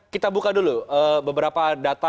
kita buka dulu beberapa data